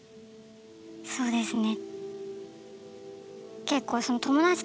そうですね。